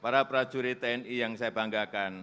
para prajurit tni yang saya banggakan